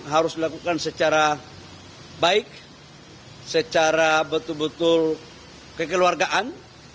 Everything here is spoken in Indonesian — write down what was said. harus dilakukan secara baik secara betul betul kekeluargaan